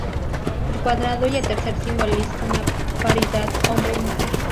El cuadrado y el tercer simbolizan la paridad hombre-mujer.